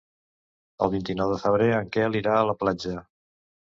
El vint-i-nou de febrer en Quel irà a la platja.